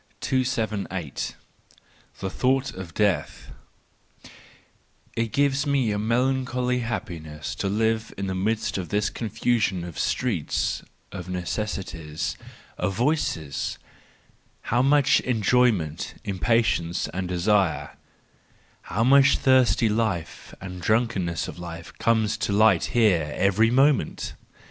278. The Thought of Death .—It gives me^a melancholy happiness to live in the midst of this confusion of streets, of necessities, of voices: how much en¬ joyment, impatience and desire, how much thirsty life and drunkenness of life comes to light here every moment!